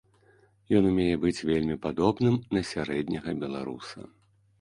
Ён умее быць вельмі падобным на сярэдняга беларуса.